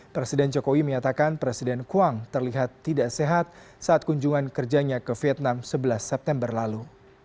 presiden jokowi menyatakan presiden quang terlihat tidak sehat saat kunjungan kerjanya ke vietnam sebelas september lalu